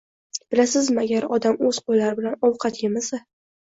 Bilasizmi, agar odam o‘z qo‘llari bilan ovqat yemasa